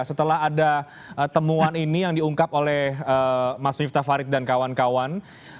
setelah ada temuan ini yang diungkap oleh mas miftah farid dan kawan kawan